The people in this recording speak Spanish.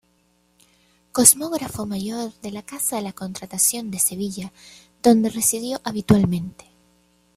Cosmógrafo mayor de la Casa de la Contratación de Sevilla, donde residió habitualmente.